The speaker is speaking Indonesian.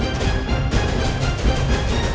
ketemu di kantor